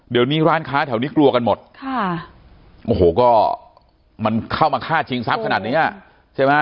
เดี๋ยวนี้ร้านค้าแถวนี้กลัวกันหมดค่ะโอ้โหก็มันเข้ามาฆ่าชิงทรัพย์ขนาดเนี้ยใช่ไหม